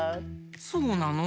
そうなの？